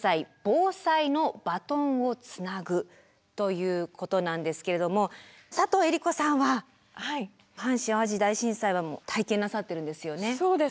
ということなんですけれども佐藤江梨子さんは阪神・淡路大震災は体験なさっているんですよね。